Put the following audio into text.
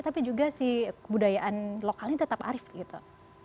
tapi juga si kebudayaan lokalnya tetap arif gitu